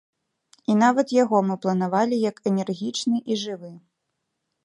І нават яго мы планавалі як энергічны і жывы.